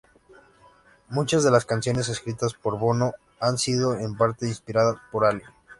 Muchas de las canciones escritas por Bono han sido, en parte, inspiradas por Ali.